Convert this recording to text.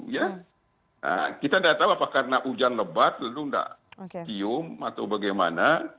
nah kita tidak tahu apakah karena hujan lebat lalu tidak cium atau bagaimana